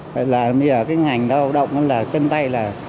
nghĩa là ngành lao động chân tay